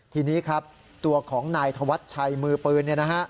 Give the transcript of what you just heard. ทีนี้ครับตัวของนายทวัชชัยมือปืน